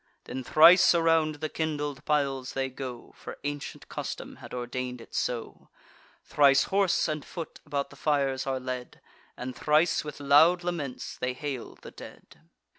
Then thrice around the kindled piles they go (For ancient custom had ordain'd it so) Thrice horse and foot about the fires are led; And thrice, with loud laments, they hail the dead.